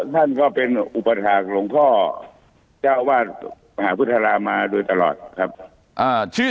ท่านก็เป็นอุปถาคหลวงพ่อเจ้าวาดมหาพุทธรามาโดยตลอดครับ